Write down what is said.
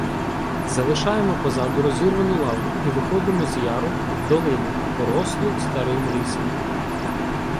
Залишаємо позаду розірвану лаву і виходимо з яру в долину, порослу старим лісом.